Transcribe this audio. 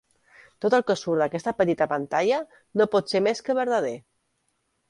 Tot el que surt d'aquesta petita pantalla no pot ser més que verdader.